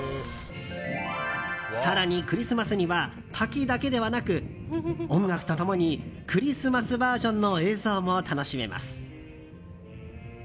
更に、クリスマスには滝だけではなく音楽と共にクリスマスバージョンの映像も楽しめます。